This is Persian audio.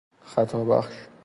خطا بخش